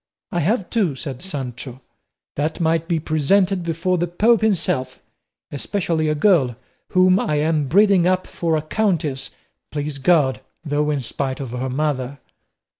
"I have two," said Sancho, "that might be presented before the Pope himself, especially a girl whom I am breeding up for a countess, please God, though in spite of her mother."